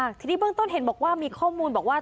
คือน้องแกล้งตาย